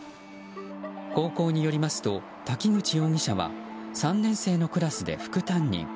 高校によりますと、滝口容疑者は３年生のクラスで副担任。